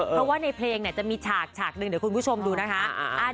เพราะว่าในเพลงจะมีฉากฉากหนึ่งเดี๋ยวคุณผู้ชมดูนะคะ